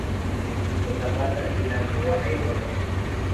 Nikapanda ila mvua haikunyesha.